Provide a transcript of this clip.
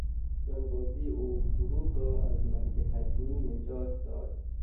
جانبازی او گروه را از مرگ حتمی نجات داد.